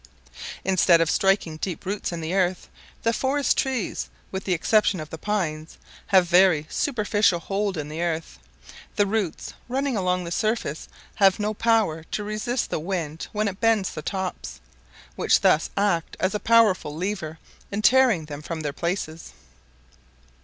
Instead of striking deep roots in the earth, the forest trees, with the exception of the pines, have very superficial hold in the earth; the roots running along the surface have no power to resist the wind when it bends the tops, which thus act as a powerful lever in tearing them from their places.